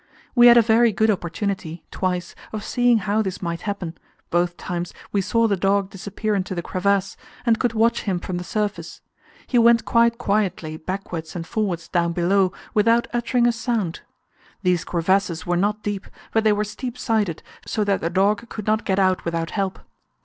We had a very good opportunity twice of seeing how this might happen; both times we saw the dog disappear into the crevasse, and could watch him from the surface. He went quite quietly backwards and forwards down below without uttering a sound. These crevasses were not deep, but they were steep sided, so that the dog could not get out without help.